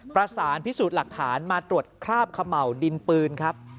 ประสานพิสูจน์หลักฐานมาตรวจคราบเขม่าวดินปืนครับ